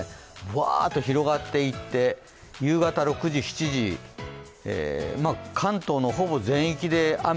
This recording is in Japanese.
わーっと広がっていって夕方６時、７時、関東のほぼ全域で雨。